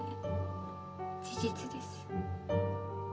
事実です